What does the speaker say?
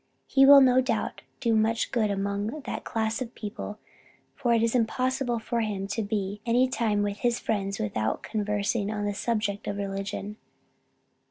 He will no doubt do much good among that class of people, for it is impossible for him to be any time with his friends without conversing on the subject of religion.